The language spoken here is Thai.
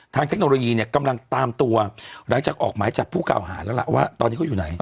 เทคโนโลยีเนี่ยกำลังตามตัวหลังจากออกหมายจับผู้เก่าหาแล้วล่ะว่าตอนนี้เขาอยู่ไหน